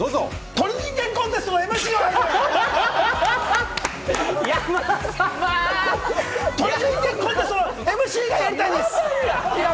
『鳥人間コンテスト』のＭＣがやりたいです！